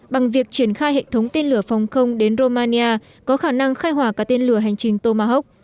bằng việc triển khai hệ thống tên lửa phòng không đến romania có khả năng khai hỏa cả tên lửa hành trình tomahawk